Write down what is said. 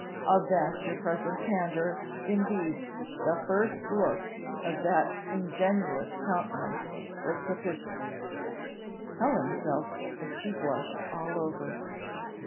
Of that your present candour, indeed, the first look of that ingenuous countenance, was sufficient." Helen felt that she blushed all over.